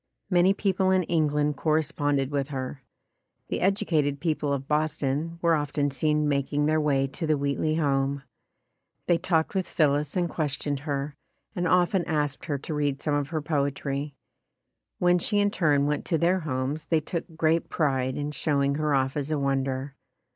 Many people in England corresponded with her. The educated people of Boston were often seen making their way to the Wheatley home. They talked with Phillis and questioned her, and often 172 ] UNSUNG HEROES asked her to read some of her poetry. When she in turn went to their homes they took great pride in showing her off as a wonder.